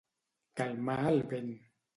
Calmar el vent.